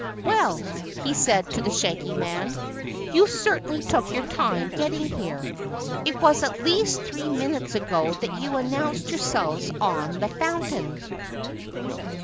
"Well," he said to the Shaggy Man, "you certainly took your time getting here. It was at least three minutes ago that you announced yourselves on the Phontain."